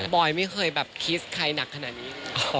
บอยไม่เคยแบบคิดใครหนักขนาดนี้